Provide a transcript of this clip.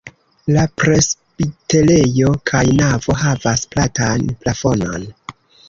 La presbiterejo kaj navo havas platan plafonon.